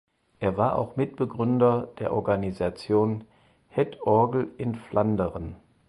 Er war auch Mitbegründer der Organisation "Het Orgel in Vlaanderen".